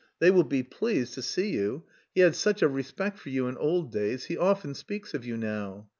They will be pleased to see you. He had such a respect for you in old days; he often speaks of you now."